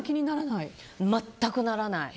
全くならない。